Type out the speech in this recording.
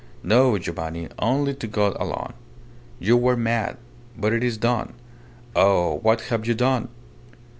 No, Giovanni. Only to God alone. You were mad but it is done. Oh! what have you done?